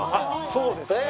そうですね。